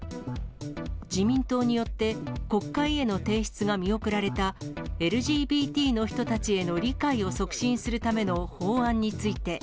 自民党によって、国会への提出が見送られた、ＬＧＢＴの人たちへの理解を促進するための法案について。